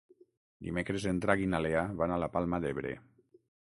Dimecres en Drac i na Lea van a la Palma d'Ebre.